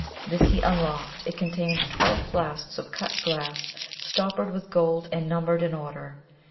This he unlocked. It contained twelve flasks of cut glass, stoppered with gold and numbered in order.